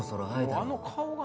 あの顔が。